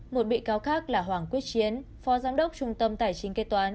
một bị cáo khác là hoàng quyết chiến phó giám đốc trung tâm tài chính kế toán